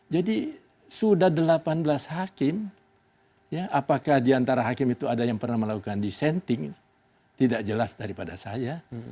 jadi sudah delapan belas hakim apakah diantara hakim itu ada yang pernah melakukan dissenting tidak jelas daripada saya